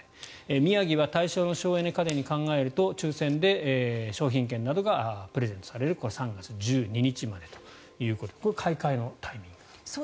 宮城は対象の省エネ家電に替えると抽選で商品券などがプレゼントされるこれは３月の１２日までという買い替えのタイミング。